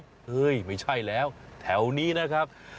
เฮ้ยไม่ใช่แล้วแถวนี้นะครับ